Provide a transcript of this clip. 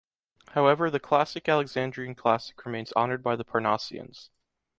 However the classic Alexandrian classic remains honored by the Parnassians.